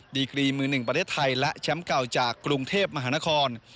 ดีกรีมือหนึ่งประเทศไทยและแชมป์เก่าจากกรุงเทพมหานคร